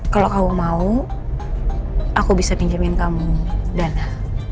kalau kamu mau aku bisa pinjamin kamu dana